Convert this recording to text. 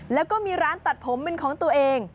แล้วก็มีร้านตัดผมเป็นของตัวเอง